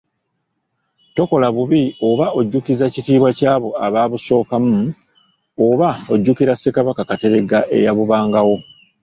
Tokola bubi, oba ojjukizza kitiibwa ky'abo ababusookamu, oba okujjukira Ssekabaka Kateregga eyabubangawo.